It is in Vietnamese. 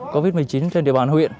covid một mươi chín trên địa bàn huyện